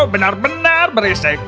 wow kau benar benar berisik